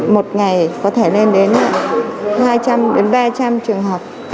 một ngày có thể lên đến hai trăm linh đến ba trăm linh trường học